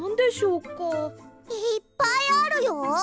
いっぱいあるよ。